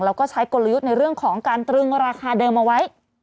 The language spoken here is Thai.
แล้วก็ใช้กลยุทธ์ในเรื่องของการตรึงราคาเดิมเอาไว้